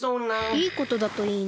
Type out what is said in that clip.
いいことだといいな。